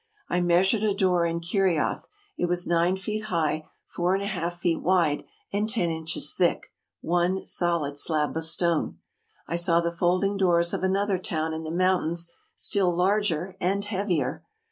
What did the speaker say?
I measured a door in Kerioth; it was nine feet high, four and a half feet wide, and ten inches thick — one solid slab of stone. I saw the folding doors of another town in the mountains still larger and heavier.